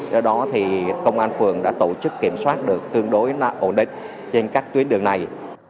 do đó thì công an phường đã tổ chức kiểm soát được tương đối ổn định trên các tuyến đường này